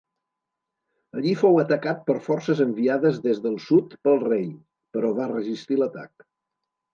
Allí fou atacat per forces enviades des del sud pel rei, però va resistir l'atac.